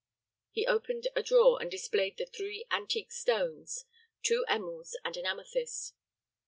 He opened a drawer and displayed the three antique stones two emeralds and an amethyst.